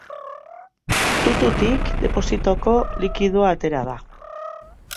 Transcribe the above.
Tututik deposituko likidoa atera da.